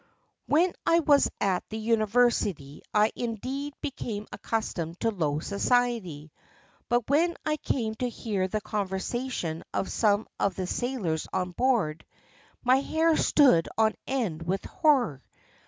"When I was at the university, I had indeed been accustomed to low society; but when I came to hear the conversation of some of the sailors on board, my hair stood on end with horror.